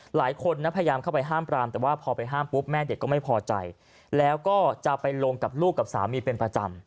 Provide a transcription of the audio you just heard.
หลายคนนะพยายามเข้าไปห้ามปรามแต่ว่าพอไปห้ามปุ๊บแม่เด็กก็ไม่พอใจแล้วก็จะไปลงกับลูกกับสามีเป็นประจำ